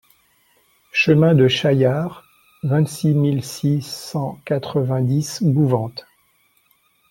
Chemin de Chaillard, vingt-six mille cent quatre-vingt-dix Bouvante